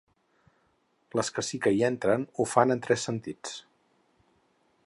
Les que sí que hi entren, ho fan en tres sentits.